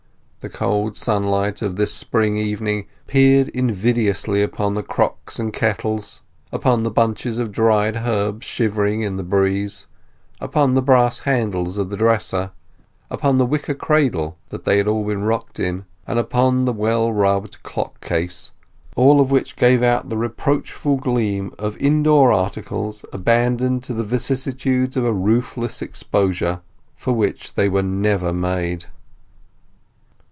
The cold sunlight of this spring evening peered invidiously upon the crocks and kettles, upon the bunches of dried herbs shivering in the breeze, upon the brass handles of the dresser, upon the wicker cradle they had all been rocked in, and upon the well rubbed clock case, all of which gave out the reproachful gleam of indoor articles abandoned to the vicissitudes of a roofless exposure for which they were never made.